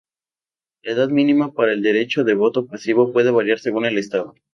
La edad mínima para el derecho de voto pasivo puede variar según el estado.